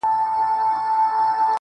خو هغه ليونۍ وايي,